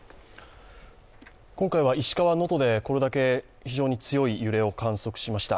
今回は石川・能登でこれだけ強い揺れを観測しました。